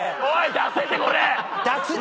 出せってこれ！